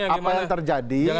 apa yang terjadi